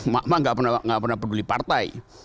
mak mak nggak pernah peduli partai